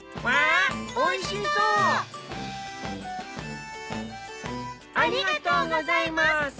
ありがとうございます。